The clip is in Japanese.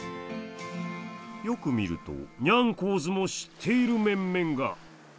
よく見るとニャンコーズも知っている面々が。